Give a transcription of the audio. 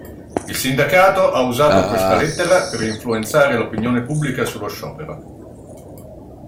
Il sindacato ha usato questa lettera per influenzare l'opinione pubblica sullo sciopero.